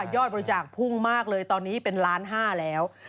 อดบริจาคพุ่งมากเลยตอนนี้เป็นล้านห้าแล้ว